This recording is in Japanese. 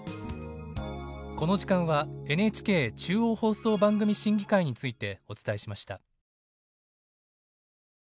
この時間はＮＨＫ中央放送番組審議会についてお伝えしました。